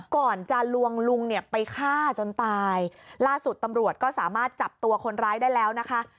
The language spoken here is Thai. ก่อนจะลวงลุงเนี่ยไปฆ่าจนตายล่าสุดตำรวจก็สามารถจับตัวคนร้ายได้แล้วนะคะ